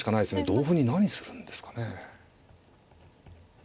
同歩に何するんですかね。